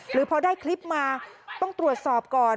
หรือพอได้คลิปมาต้องตรวจสอบก่อน